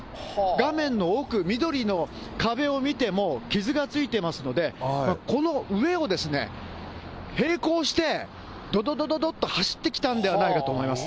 画面の奥、緑の壁を見ても、傷がついていますので、この上をですね、並行してどどどどどっと走ってきたんではないかと思います。